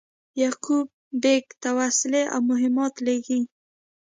یعقوب بېګ ته وسلې او مهمات لېږي.